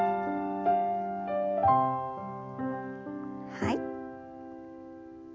はい。